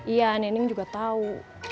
iya neneng juga tau